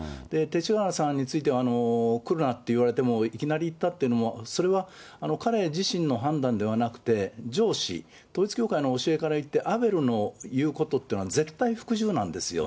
勅使河原さんについては、来るなって言われてもいきなり行ったっていうのも、それは彼自身の判断ではなくて、上司、統一教会の教えからいって、アベルの言うことっていうのは絶対服従なんですよ。